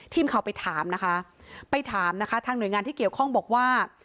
ทีมข่าวไปถามนะคะไปถามนะคะทางหน่วยงานที่เกี่ยวข้องบอกว่า